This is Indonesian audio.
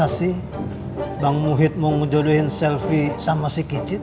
masa sih bang muhyiddin mengujuduhin selfie sama si kicit